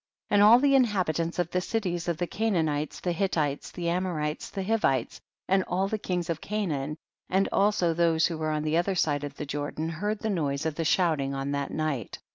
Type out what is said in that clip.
8. And all the inhabitants of the cities of the Canaanites, the Hittites, the Amorites, the Hivites and all the kings of Canaan, and also those who were on the other side of the Jordan, heard the noise of the shouting on that night.